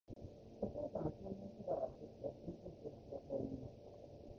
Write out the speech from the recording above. お父さんは少年のそばへやってきて、厳しい調子でこう言いました。